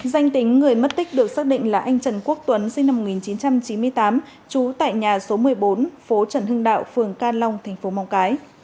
danh tính người bất tích được xác định là anh trần quốc tuấn sinh năm một nghìn chín trăm chín mươi tám chú tại nhà số một mươi bốn phố trần hưng đạo phường can long tp móng cái